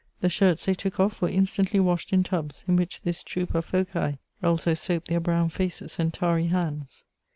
The shirts they took off were instantly washed in tubs, in which this troop of Phocae also soaped their' brown hcea and tarry hands.